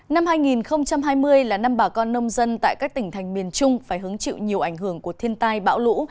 năm hai nghìn hai mươi là năm bà con nông dân tại các tỉnh thành miền trung phải hứng chịu nhiều ảnh hưởng của thiên tai bão lũ